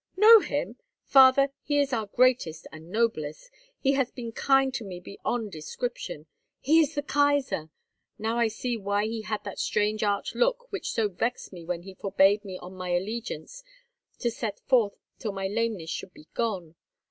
"Know him! Father, he is our greatest and noblest! He has been kind to me beyond description. He is the Kaisar! Now I see why he had that strange arch look which so vexed me when he forbade me on my allegiance to set forth till my lameness should be gone!